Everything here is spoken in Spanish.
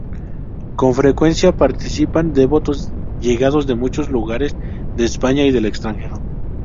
Con frecuencia participan devotos llegados de muchos lugares de España y del extranjero.